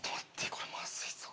これまずいぞ。